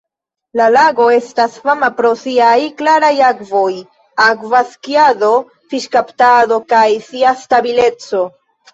La lago estas fama pro siaj klaraj akvoj, akva skiado, fiŝkaptado, kaj sia stabileco.